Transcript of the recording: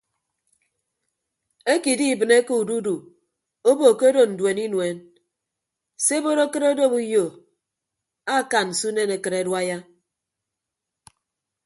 Eke idibịneke ududu obo ke odo nduen inuen se ebot akịt odop uyo akan se unen akịt aduaiya.